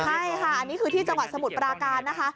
ใช่ค่ะอันนี้คือที่จังหวัดสมุทรปราการนะคะ